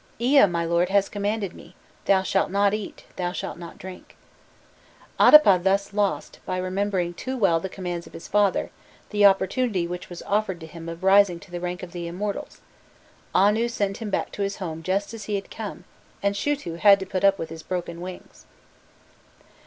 Ea, my lord, has commanded me: thou shalt not eat, thou shalt not drink." Adapa thus lost, by remembering too well the commands of his father, the opportunity which was offered to him of rising to the rank of the immortals; Anu sent him back to his home just as he had come, and Shutu had to put up with his broken wings.